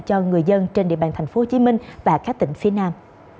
cho người dân trên địa bàn tp hcm và các tỉnh phía nam